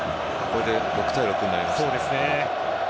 これで６対６になりましたね。